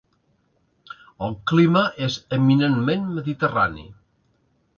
El clima és eminentment mediterrani.